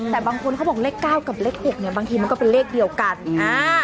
แต่บางคนเขาบอกเลข๙กับเลข๖บางทีมันก็เป็นเลขเดียวกัน